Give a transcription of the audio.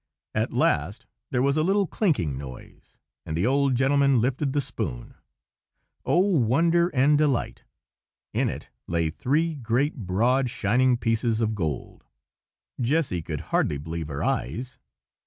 At last there was a little clinking noise, and the old gentleman lifted the spoon. Oh, wonder and delight! In it lay three great, broad, shining pieces of gold! Jessy could hardly believe her eyes.